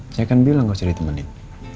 saya kan bilang gak usah ditemenin